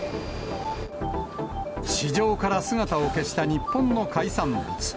市場から姿を消した、日本の海産物。